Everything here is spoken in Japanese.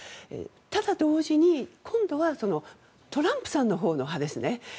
ただ同時に、今度はトランプさんのほうの派ですね。